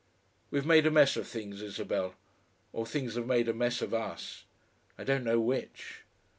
"We've made a mess of things, Isabel or things have made a mess of us. I don't know which.